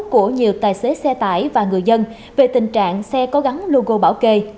của nhiều tài xế xe tải và người dân về tình trạng xe có gắn logo bảo kê